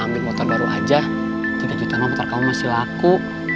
ambil motor baru aja tiga jutaan motor kamu masih laku